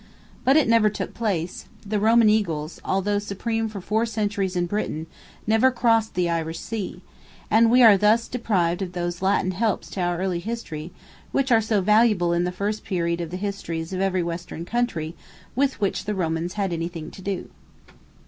But it never took place; the Roman eagles, although supreme for four centuries in Britain, never crossed the Irish Sea; and we are thus deprived of those Latin helps to our early history, which are so valuable in the first period of the histories of every western country, with which the Romans had anything to do.